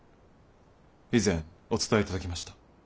以前お伝え頂きました。